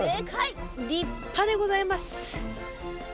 立派でございます。